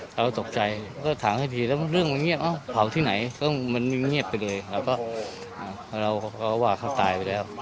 เราตกใจก็ถามให้ทีแล้วเรื่องมันเงียบเอ้าเผาที่ไหนก็มันเงียบไปเลยแล้วก็เราก็ว่าเขาตายไปแล้ว